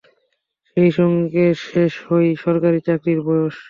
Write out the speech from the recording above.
সেই সঙ্গে শেষ হয় সরকারি চাকরির বয়স।